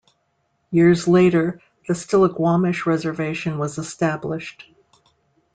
Years later the Stillaguamish Reservation was established.